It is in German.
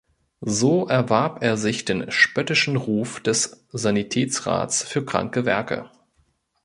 So erwarb er sich den spöttischen Ruf des „Sanitätsrats für kranke Werke“.